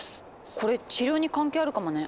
これ治療に関係あるかもね。